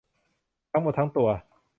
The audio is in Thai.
ทั้งหมดทั้งตัว